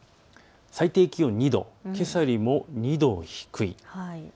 最低気温２度、けさよりも２度低い。